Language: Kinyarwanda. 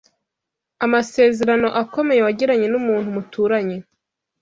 Amasezerano akomeye wagiranye n’umuntu muturanye